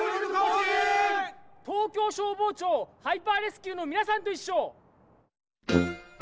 東京消防庁ハイパーレスキューのみなさんといっしょ。